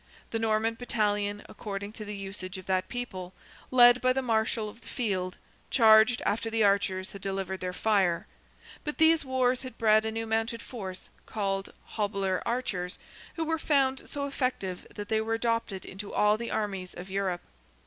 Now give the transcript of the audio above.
The Norman battalion, according to the usage of that people, led by the marshal of the field, charged, after the archers had delivered their fire. But these wars had bred a new mounted force, called hobiler archers, who were found so effective that they were adopted into all the armies of Europe.